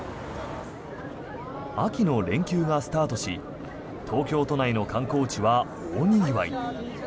秋の連休がスタートし東京都内の観光地は大にぎわい。